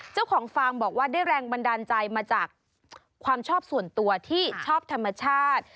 ฟาร์มบอกว่าได้แรงบันดาลใจมาจากความชอบส่วนตัวที่ชอบธรรมชาติ